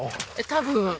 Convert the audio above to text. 多分。